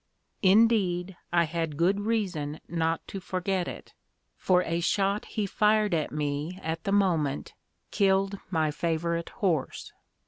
Indeed I had good reason not to forget it, for a shot he fired at me at the moment killed my favourite horse.